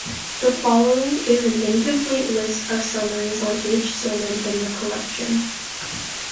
The following is an incomplete list of summaries on each sermon in the collection.